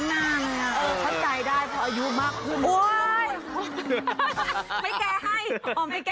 เออเข้าใจได้หยุดมากขึ้น